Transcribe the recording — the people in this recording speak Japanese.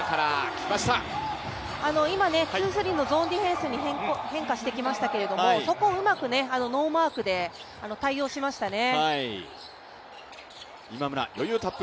今、ツー・スリーのゾーンディフェンスに変化してきましたけど、そこをうまくノーマークで対応しましたね。